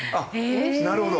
なるほど。